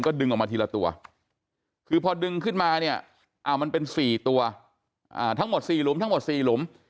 ก็ดึงออกมาทีละตัวคือพอดึงขึ้นมาเนี่ยมันเป็น๔ตัวทั้งหมด๔หลุม